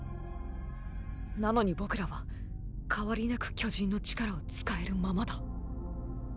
なのに僕らは変わりなく巨人の力を使えるままだ。